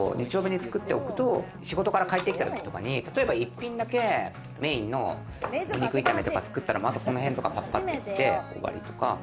作っておくと仕事から帰ってきたときに例えば一品だけメインの肉炒めとか作ったら、この辺、パッパっと切って終わりとか。